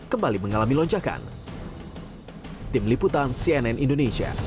kembali mengalami loncakan